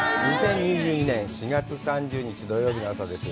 ２０２２年４月３０日、土曜日の朝です。